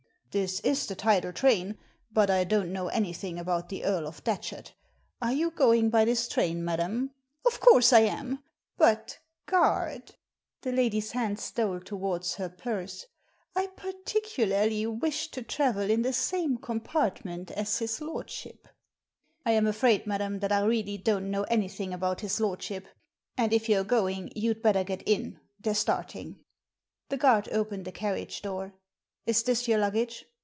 " This is the tidal train, but I don't know anything about the Earl of Datchet Are you goings by this train, madam ?"" Of course I am. But, guard "— the lady's hand stole towards her purse — ^I particularly wished to travel in the same compartment as his lordship/' ^I am afraid, madam, that I really don't know anything about his lordship, and if you're going you'd better get in — ^they're starting." The guard opened a carriage door. "Is this your luggage?"